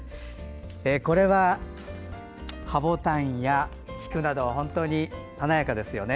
これは葉ボタンや菊など本当に華やかですよね。